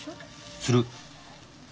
する。